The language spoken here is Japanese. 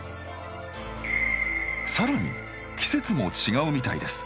さらに季節も違うみたいです。